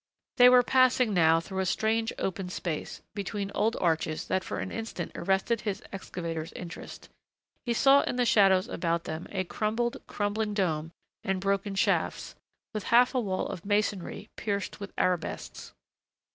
They were passing now through a strange, open space, between old arches that for an instant arrested his excavator's interest. He saw in the shadows about them, a crumpled, crumbling dome and broken shafts, with half a wall of masonry pierced with Arabesques.